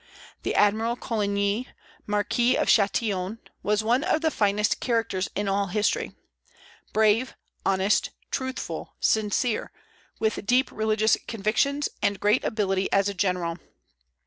The Admiral Coligny, Marquis of Chatillon, was one of the finest characters in all history, brave, honest, truthful, sincere, with deep religious convictions, and great ability as a general.